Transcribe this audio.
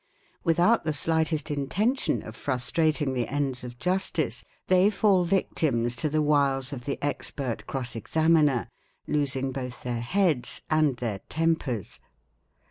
Without the 5 slightest intention of frustrating the ends of justice, they fall victims to * the wiles of the expert cross examiner, losing both their heads and their tempers.